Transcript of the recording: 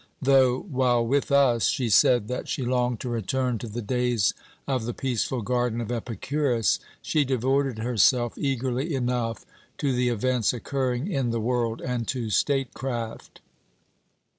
Though, while with us, she said that she longed to return to the days of the peaceful Garden of Epicurus, she devoted herself eagerly enough to the events occurring in the world and to statecraft.